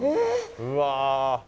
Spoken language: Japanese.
うわ。